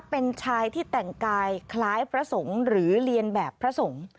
เป็นชายที่แต่งกายคล้ายพระสงฆ์หรือเรียนแบบพระสงฆ์